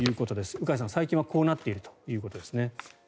鵜飼さん、最近はこうなっているということですね。